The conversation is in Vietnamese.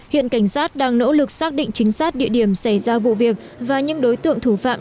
hiện cảnh sát đang nỗ lực xác định chính xác địa điểm xảy ra vụ việc và những đối tượng thủ phạm